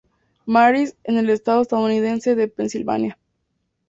Marys en el estado estadounidense de Pensilvania.